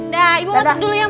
nah ibu masuk dulu ya